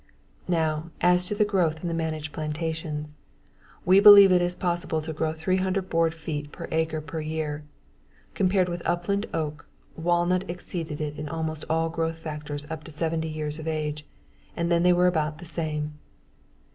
Now, as to the growth in the managed plantations. We believe it is possible to grow 300 board feet per acre per year. Compared with upland oak, walnut exceeded it in almost all growth factors up to 70 years of age and then they were about the same.